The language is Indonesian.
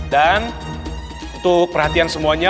dan untuk perhatian semuanya